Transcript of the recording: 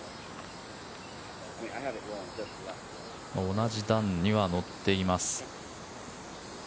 同じ段には乗っています。